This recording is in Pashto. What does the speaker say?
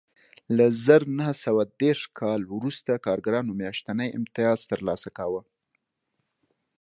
له زر نه سوه دېرش کال وروسته کارګرانو میاشتنی امتیاز ترلاسه کاوه